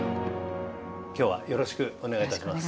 今日はよろしくお願いいたします。